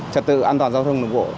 trật tự an toàn giao thông nước vụ